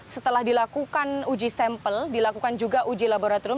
setelah dilakukan uji sampel dilakukan juga uji laboratorium